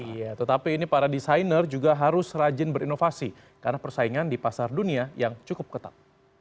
iya tetapi ini para desainer juga harus rajin berinovasi karena persaingan di pasar dunia yang cukup ketat